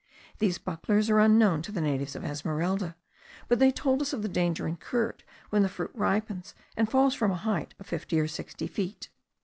These bucklers are unknown to the natives of Esmeralda, but they told us of the danger incurred when the fruit ripens and falls from a height of fifty or sixty feet.